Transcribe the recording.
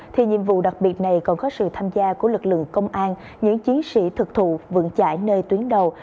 thì nhiệm vụ đặc biệt này còn có sự tham gia của lực lượng công an những chiến sĩ thực thụ vững chải nơi tuyến đầu